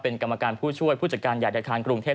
เป็นกรรมการผู้ช่วยผู้จัดการใหญ่อาคารกรุงเทพ